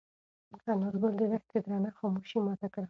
انارګل د دښتې درنه خاموشي ماته کړه.